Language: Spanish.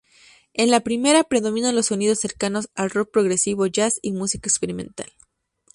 En la primera, predominan los sonidos cercanos al rock progresivo, jazz y música experimental.